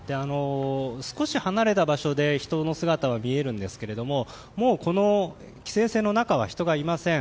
少し離れた場所で人の姿は見えるんですがもう規制線の中は人がいません。